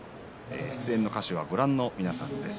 出演の歌手は、ご覧の皆さんです。